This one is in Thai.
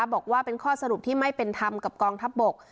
บอกว่าเป็นข้อสรุปที่ไม่เป็นธรรมกับกองทัพบก